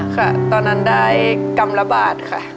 ค่ะตอนนั้นได้กรรมระบาดค่ะ